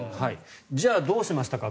じゃあ、どうしましたか